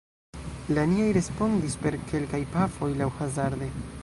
La niaj respondis per kelkaj pafoj, laŭhazarde.